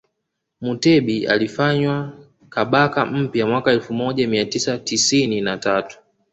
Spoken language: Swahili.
Mutebi alifanywa Kabaka mpya mwaka elfu moja mia tisa tisini na tatu